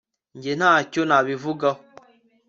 jye ntacyo nabivugaho